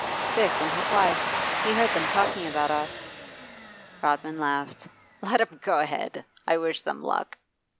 'Dick and his wife. He heard them talking about us.' Rodman laughed. 'Let 'em go ahead! I wish them luck.